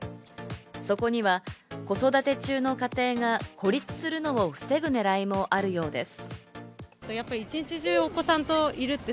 そこには子育て中の家庭が孤立するのを防ぐ狙いもあるようです。